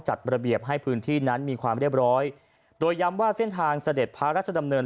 จัดระเบียบให้พื้นที่นั้นมีความเรียบร้อยโดยย้ำว่าเส้นทางเสด็จพระราชดำเนิน